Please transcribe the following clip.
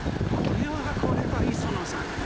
これはこれは磯野さん。